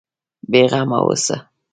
بېغمه اوسه.